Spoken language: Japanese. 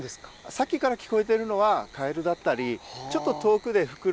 さっきから聞こえてるのはカエルだったりちょっと遠くでフクロウ。